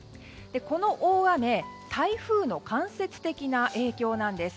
この大雨台風の間接的な影響なんです。